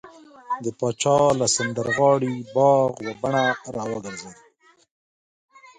د پاچا له سمندرغاړې باغ و بڼه راوڅرخېدو.